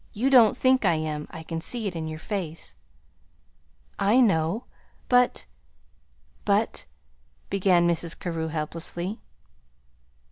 You don't think I am. I can see it in your face." "I know. But but " began Mrs. Carew, helplessly.